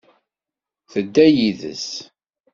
Tedda yides.